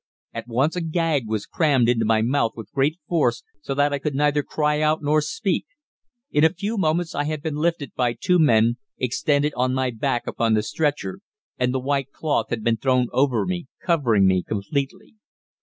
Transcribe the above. At once a gag was crammed into my mouth with great force, so that I could neither cry out nor speak. In a few moments I had been lifted by two men, extended on my back upon the stretcher, and the white cloth had been thrown over me, covering me completely.